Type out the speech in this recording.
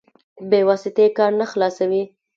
بې واسطې کار نه خلاصوي.